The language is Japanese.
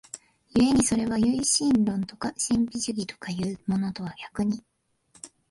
故にそれは唯心論とか神秘主義とかいうものとは逆に、